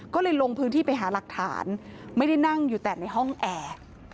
ก็เลยลงพื้นที่ไปหาหลักฐานไม่ได้นั่งอยู่แต่ในห้องแอร์